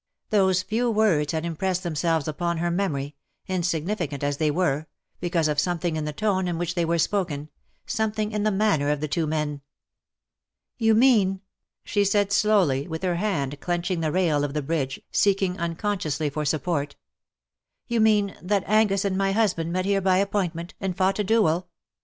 Those few words had impressed them selves upon her memory — insignificant as they were — because of something in the tone in which they were spoken — something in the manner of the two men. '^You mean/' she said slowly, with her hand clenching the rail of the bridge, seeking uncon sciously for support ;'' you mean that Angus and my husband met here by appointment, and fought a duel?"